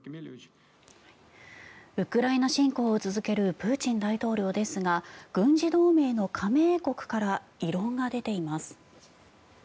ウクライナ侵攻を続けるプーチン大統領ですが軍事同盟の加盟国から異論が出ています。